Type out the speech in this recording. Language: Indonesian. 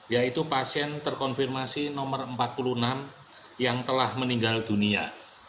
yaitu pasien terkonfirmasi nomor empat puluh enam yang telah meninggal dunia